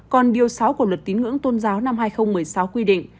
còn điều sáu của luật tín ngưỡng tôn giáo năm hai nghìn một mươi sáu quy định